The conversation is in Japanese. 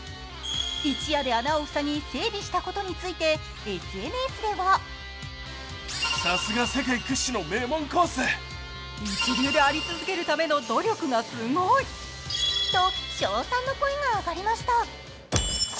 一夜で穴を塞ぎ、整備したことについてＳＮＳではと称賛の声が上がりました。